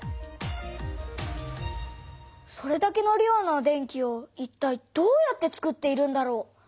それだけの量の電気をいったいどうやってつくっているんだろう。